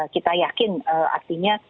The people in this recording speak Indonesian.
kita yakin artinya